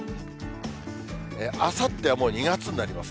あさってはもう２月になりますね。